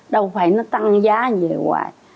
đâu phải nó tăng giá về hoài